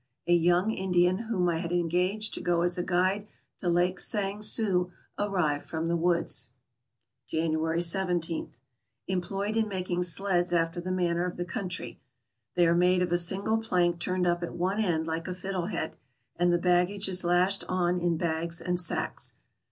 A young Indian whom I had engaged to go as a guide to Lake Sang Sue arrived from the woods. January ij .— Employed in making sleds after the manner of the country. They are made of a single plank turned up at one end like a fiddle head, and the baggage is lashed on in bags and sacks.